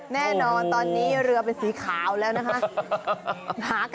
แน่นอนตอนนี้เรือเป็นสีขาวแล้วนะคะ